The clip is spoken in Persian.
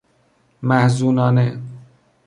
محزونانه